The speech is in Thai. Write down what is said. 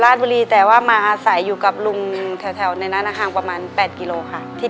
ในแคมเปญพิเศษเกมต่อชีวิตโรงเรียนของหนู